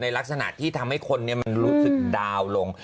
ในลักษณะที่ทำให้คนรู้สึกดาวลง